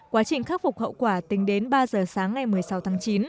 quá trình khắc phục hậu quả tính đến ba giờ sáng ngày một mươi sáu tháng chín